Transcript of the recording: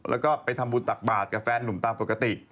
แล้วก็ไปทำบุญตักบาทกับแฟนหนุ่มตามปกติ